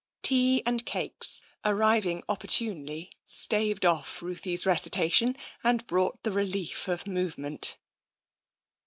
Tea and cakes, arriving opportunely, staved off Ruthie's recitation, and brought the relief of move ment.